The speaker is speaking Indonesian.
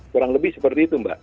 kurang lebih seperti itu mbak